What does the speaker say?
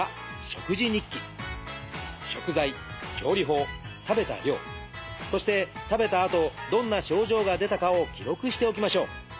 食べた量そして食べたあとどんな症状が出たかを記録しておきましょう。